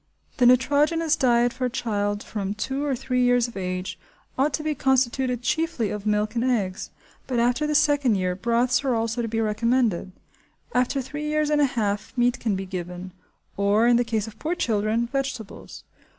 The nitrogenous diet for a child from two or three years of age ought to be constituted chiefly of milk and eggs, but after the second year broths are also to be recommended. After three years and a half meat can be given; or, in the case of poor children, vegetables.